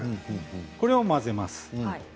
これを混ぜます。